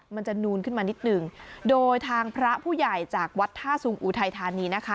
มันจะนูนขึ้นมานิดหนึ่งโดยทางพระผู้ใหญ่จากวัดท่าสุงอุทัยธานีนะคะ